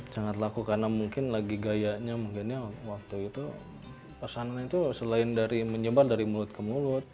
sangat laku karena mungkin lagi gayanya mungkin ya waktu itu pesanan itu selain dari menyebar dari mulut ke mulut